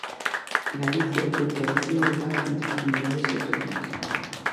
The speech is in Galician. Galicia ocupa o décimo lugar entre as comunidades autónomas.